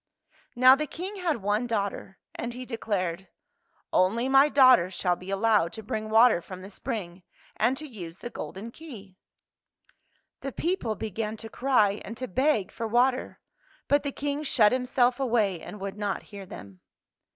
Now the King had one daughter, and he declared, " Only my daughter shall be al lowed to bring water from the spring, and to use the golden key! " The people began to cry and to beg for water. But the King shut himself away and would not hear them.